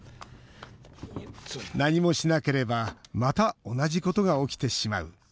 何もしなければまた同じことが起きてしまう。